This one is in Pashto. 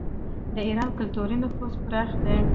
د ایران کلتوري نفوذ پراخ دی.